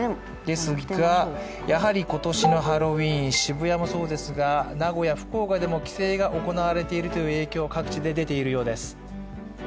ですがやはり今年のハロウィーン、渋谷もそうですが名古屋、福岡でも規制が行われているという影響は各地で出ているようです。